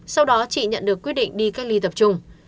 sau đó chị nhận được quyết định đi cách ly tập trung